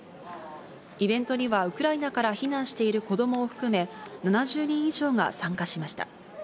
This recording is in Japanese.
イベントにはウクライナから避難してる子供を含め７０人以上が参加しました。